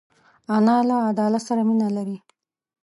انا له عدالت سره مینه لري